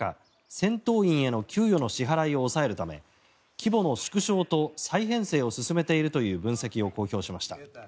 戦闘員への給与の支払いを抑えるため規模の縮小と再編成を進めているという分析を公表しました。